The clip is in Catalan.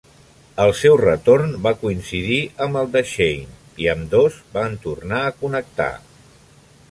El seu retorn va coincidir amb el de Shane i ambdós van tornar a connectar.